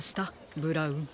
ブラウン。